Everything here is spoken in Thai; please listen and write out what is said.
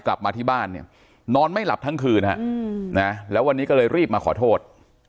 กลับมาที่บ้านเนี่ยนอนไม่หลับทั้งคืนฮะนะแล้ววันนี้ก็เลยรีบมาขอโทษ